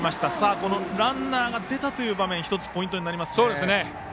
このランナーが出たという場面１つポイントになりますね。